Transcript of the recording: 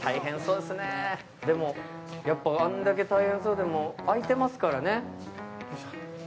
でもやっぱあれだけ大変そうでも空いてますからね。